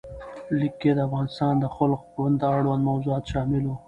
لیک کې د افغانستان د خلق ګوند اړوند موضوعات شامل وو.